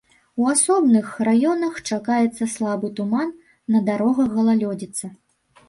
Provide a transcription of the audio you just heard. У асобных раёнах чакаецца слабы туман, на дарогах галалёдзіца.